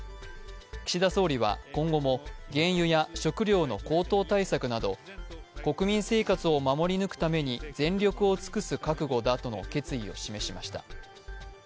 岸田総理は今後も原油や食料の高騰対策など国民生活を守り抜くために全力を尽くす覚悟だとの決意を示しました。